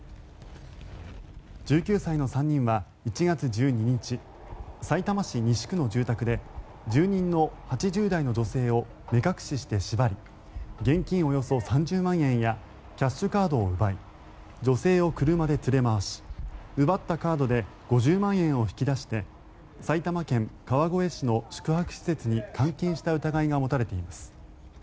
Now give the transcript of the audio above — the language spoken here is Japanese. １９歳の３人は１月１２日さいたま市西区の住宅で住人の８０代の女性を目隠しして縛り現金およそ３０万円やキャッシュカードを奪い女性を車で連れ回し奪ったカードで５０万円を引き出して埼玉県川越市の宿泊施設に監禁した疑いが持たれています。